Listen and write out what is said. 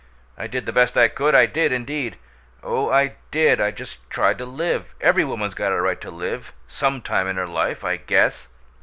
I did the best I could; I did, indeed! Oh, I DID! I just tried to live. Every woman's got a right to live, some time in her life, I guess!